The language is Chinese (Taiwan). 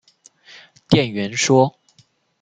店員說